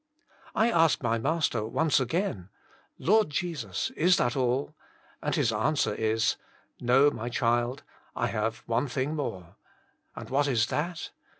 I ask my Master once again, Lord Jesus, is that all ?" And his answer is : '*No, my child; I have one thing more. "*< And what is that